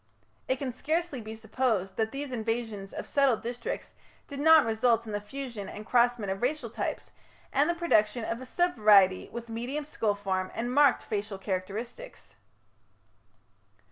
It can scarcely be supposed that these invasions of settled districts did not result in the fusion and crossment of racial types and the production of a sub variety with medium skull form and marked facial characteristics.